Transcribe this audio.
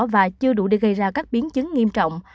và chưa đủ để gây ra các biến chứng nghiêm trọng